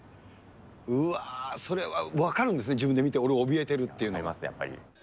うわー、それは分かるんですね、自分で見て、俺、おびえてるって分かります、やっぱり。